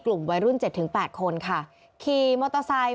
กลุ่มวัยรุ่น๗๘คนค่ะขี่มอเตอร์ไซค์